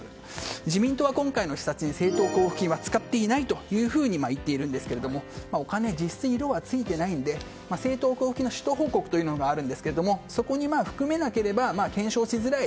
自民党は今回の施設に政党交付金は使っていないと言っているんですが、お金に実質色はついていないので政党交付金の使途報告というのがあるんですがそこに含めなければ検証しづらい。